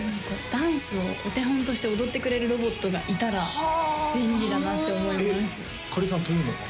ダンスをお手本として踊ってくれるロボットがいたら便利だなって思いますかりんさんというのは？